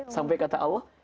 sampai kata allah